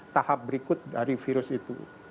tahap berikut dari virus itu